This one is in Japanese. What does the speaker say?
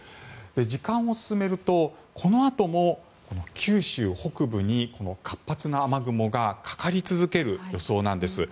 時間を進めるとこのあとも九州北部に活発な雨雲がかかり続ける予想なんです。